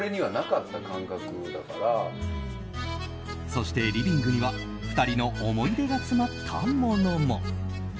そしてリビングには２人の思い出が詰まったものも。